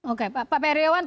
oke pak iryawan